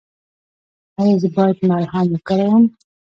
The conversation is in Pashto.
ایا زه باید ملهم وکاروم؟